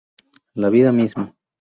La vida misma.